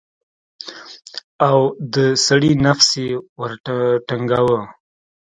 او د سړي نفس يې ورټنگاوه.